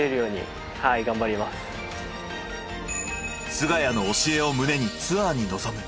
菅谷の教えを胸にツアーに望む。